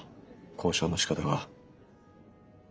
交渉のしかたが。